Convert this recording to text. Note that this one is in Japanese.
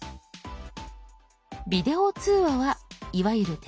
「ビデオ通話」はいわゆるテレビ電話。